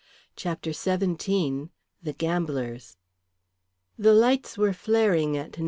CHAPTER XVII. THE GAMBLERS. The lights were flaring at No.